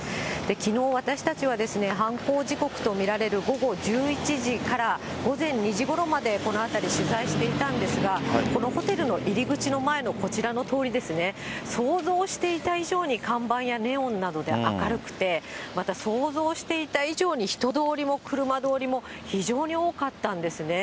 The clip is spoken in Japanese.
きのう、私たちは犯行時刻と見られる午後１１時から午前２時ごろまでこの辺り取材していたんですが、このホテルの入り口の前のこちらの通りですね、想像していた以上に看板やネオンなどで明るくて、また想像した以上に人通りも車通りも非常に多かったんですね。